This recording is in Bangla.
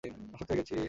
আসক্ত হয়ে গেছি।